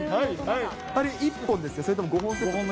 あれ、１本ですか、それとも５本の？